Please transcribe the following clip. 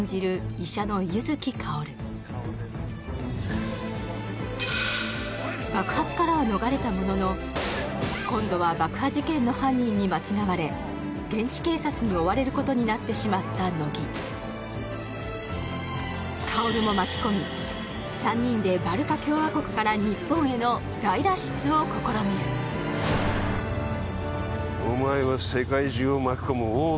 医者の柚木薫爆発からは逃れたものの今度は爆破事件の犯人に間違われ現地警察に追われることになってしまった乃木薫も巻き込み３人でバルカ共和国から日本への大脱出を試みるえっ？